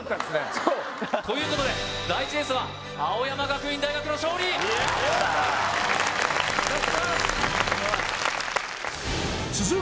そうということで第１レースは青山学院大学の勝利よっしゃ続く